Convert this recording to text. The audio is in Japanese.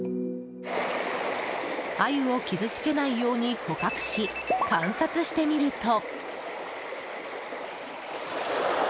アユを傷つけないように捕獲し観察してみると。